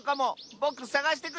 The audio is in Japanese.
ぼくさがしてくる！